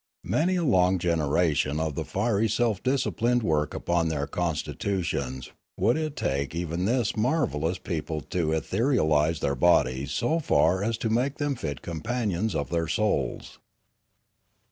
Many a long generation of fiery self disciplined work upon their constitutions would it take even this marvellous people to etherealise their bodies so far as to make them fit companions of their souls.